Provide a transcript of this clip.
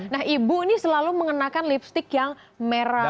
nah ibu ini selalu mengenakan lipstick yang merah